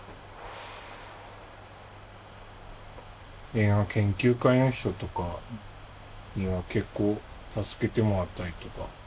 映画研究会の人とかには結構助けてもらったりとか。